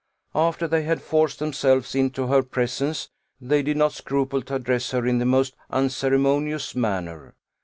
After they had forced themselves into her presence, they did not scruple to address her in the most unceremonious manner.